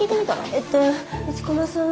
えっと一駒さんは。